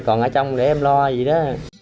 còn ở trong để em lo gì đó